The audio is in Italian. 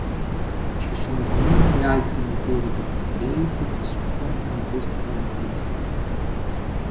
Ci sono comunque altri motori di template che supportano queste caratteristiche.